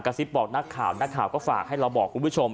ซิบบอกนักข่าวนักข่าวก็ฝากให้เราบอกคุณผู้ชม